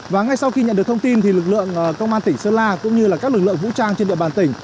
và ngay sau khi nhận được thông tin thì lực lượng công an tỉnh sơn la cũng như các lực lượng vũ trang trên địa bàn tỉnh